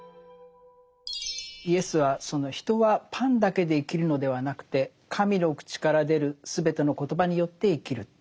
イエスは「人はパンだけで生きるのではなくて神の口から出る全ての言葉によって生きる」というふうに言ってましたね。